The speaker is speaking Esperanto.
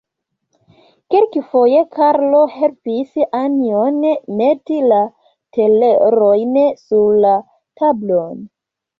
Kelkafoje Karlo helpis Anjon meti la telerojn sur la tablon.